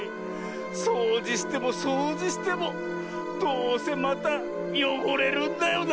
そうじしてもそうじしてもどうせまたよごれるんだよな。